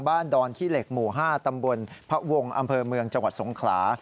ดอนขี้เหล็กหมู่๕ตำบลพระวงศ์อำเภอเมืองจังหวัดสงขลา